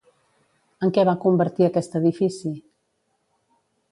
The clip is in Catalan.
En què va convertir aquest edifici?